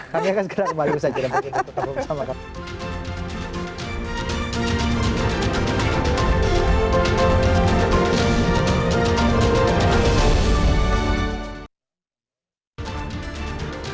karena sekarang usai jadwal berikut ini tetap bersama kami